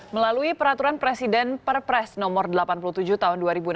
melalui peraturan presiden perpres nomor delapan puluh tujuh tahun dua ribu enam belas